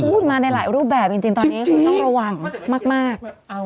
กูเป็นพูดมาในหลายรูปแบบตอนนี้ขึ้นต้องระวังมาก